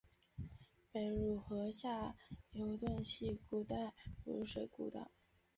北汝河下游段系古代汝水故道。